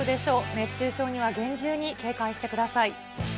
熱中症には厳重に警戒してください。